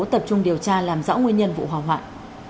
tập trung điều tra làm rõ nguyên nhân vụ hỏa hoạn